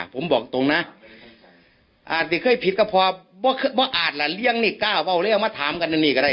ผมบอกตรงนะอาจสิเคยผิดก็พอเพราะอาจละเลี้ยงนี่ก้าวเอาเลยเอามาถามกันนี่ก็ได้